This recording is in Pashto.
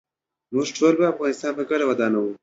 موږ ټول به افغانستان په ګډه ودانوو.